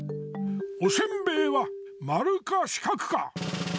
おせんべいはまるかしかくか。